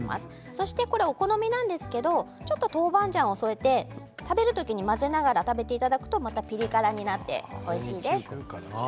そしてお好みなんですがちょっと豆板醤を添えて食べるときに、混ぜながら食べていただくとまたピリ辛になっておいしいです。